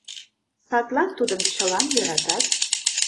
Садлан тудым чылан йӧратат.